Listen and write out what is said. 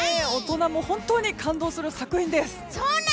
大人も本当に感動する作品です。